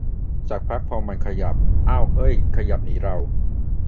สักพักพอมันขยับ อ้าวเฮ้ยขยับหนีเรา